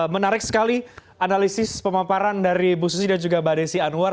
menarik sekali analisis pemamparan dari bu susi dan juga mbak desi anwar